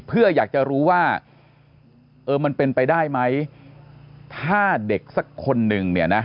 เพื่ออยากจะรู้ว่าเออมันเป็นไปได้ไหมถ้าเด็กสักคนหนึ่งเนี่ยนะ